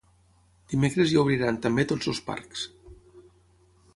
Dimecres ja obriran també tots els parcs.